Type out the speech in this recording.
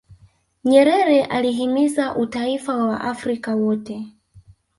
nyerere alihimiza utaifa wa waafrika wote